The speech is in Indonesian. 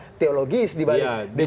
ini tidak teologis dibalik